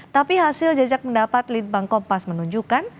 tapi hasil jejak pendapat litbang kompas menunjukkan